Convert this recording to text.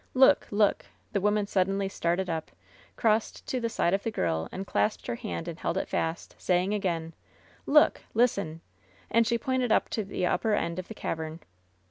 Look! look!" The woman suddenly started up, crossed to the side of the girl, and clasped 5B74 LOVE'S BITTEREST CUP her hand and held it fast^ saying again: ^'Look! Lis ten V^ and she pointed up to the upper end of the cavern.